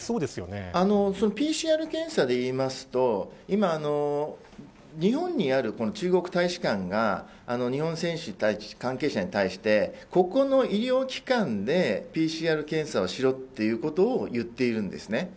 そしてＰＣＲ検査も含めて、選手のスケジュールの影響もＰＣＲ検査で言いますと日本にある中国大使館が日本選手や関係者に対してここの医療機関でＰＣＲ検査をしろということを言っているんです。